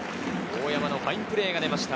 大山のファインプレーが出ました。